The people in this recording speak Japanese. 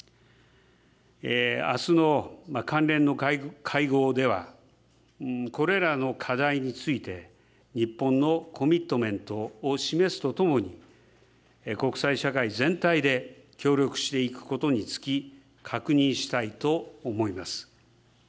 あすの関連の会合では、これらの課題について、日本のコミットメントを示すとともに、国際社会全体で協力していくことにつき、確認したいと思います。